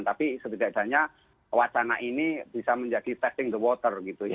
tapi setidaknya wacana ini bisa menjadi testing the water gitu ya